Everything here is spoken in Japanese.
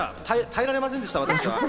耐えられませんでした、私は。